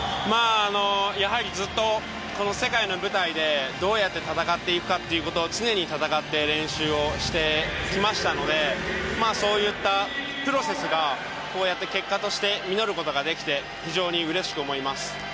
やはりずっと世界の舞台でどうやって戦っていくかということで常に戦って練習をしてきましたのでそういったプロセスがこうやって結果として実ることができて非常にうれしく思います。